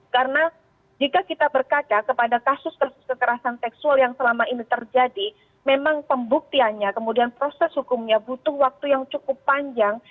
karena jika kita berkata kepada kasus kasus kekerasan seksual yang selama ini terjadi memang pembuktiannya kemudian proses hukumnya butuh waktu yang cukup panjang